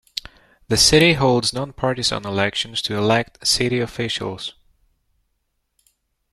The city holds non-partisan elections to elect city officials.